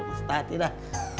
makan ya mas tati dah